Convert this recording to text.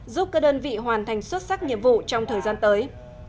giúp các đơn vị hoàn thành xuất sắc nhiệm vụ trong thời gian tới